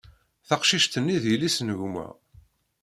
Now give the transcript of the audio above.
Taqcict-nni d yelli-s n gma.